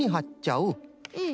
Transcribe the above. うん。